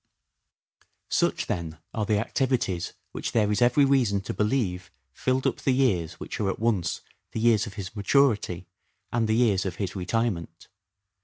Henry Such, then, are the activities which there is every Wnothesiey reason to believe filled up the years which are at once a personal . link. the years of his maturity and the years of his retire ment.